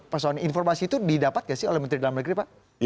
pak soni informasi itu didapat nggak sih oleh menteri dalam negeri pak